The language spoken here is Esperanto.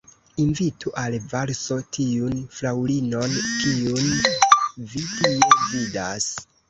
Invitu al valso tiun fraŭlinon, kiun vi tie vidas.